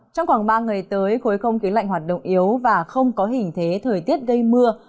trong khoảng ba ngày tới khối không khí lạnh hoạt động yếu và không có hình thế thời tiết gây mưa